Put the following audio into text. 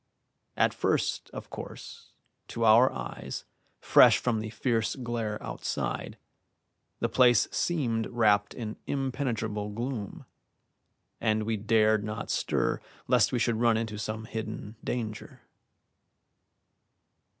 At first, of course, to our eyes, fresh from the fierce glare outside, the place seemed wrapped in impenetrable gloom, and we dared not stir lest we should run into some hidden danger.